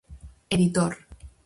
Editor.